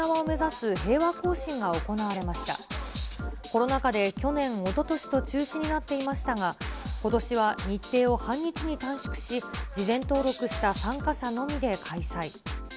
コロナ禍で去年、おととしと中止になっていましたが、ことしは日程を半日に短縮し、事前登録した参加者のみで開催。